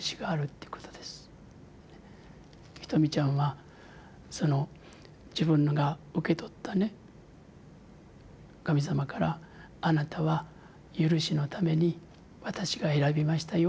ひとみちゃんはその自分が受け取ったね神様から「あなたはゆるしのために私が選びましたよ」